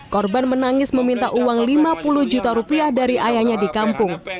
korban menangis meminta uang lima puluh juta rupiah dari ayahnya di kampung